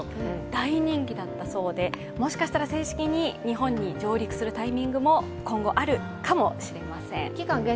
大人気だったそうで、もしかしたら正式に日本に上陸するタイミングも今後あるかもしれません。